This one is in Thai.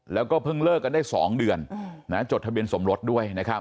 แล้วก็เพิ่งเลิกกันได้๒เดือนจดทะเบียนสมรสด้วยนะครับ